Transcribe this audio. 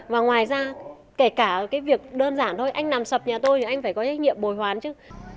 và ngoài ra kể cả cái việc đơn giản thôi anh làm sập nhà tôi thì anh phải có trách nhiệm bồi hoán chứ